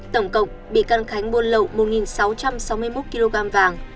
tổng cộng bị can khánh mua lậu một sáu trăm sáu mươi một kg vàng